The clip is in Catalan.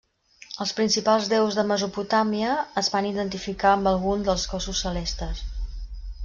Els principals déus de Mesopotàmia es van identificar amb algun dels cossos celestes.